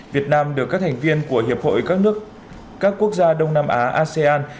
việt nam được các thành viên của hiệp hội các nước các quốc gia đông nam á asean